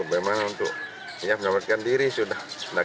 bagaimana untuk siap melakukan diri sudah